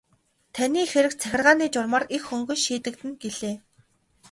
Таны хэрэг захиргааны журмаар их хөнгөн шийдэгдэнэ гэлээ.